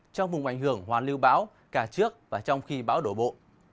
trong vùng ảnh hưởng hoàn lưu bão cả trước và trong khi bão đổ bộ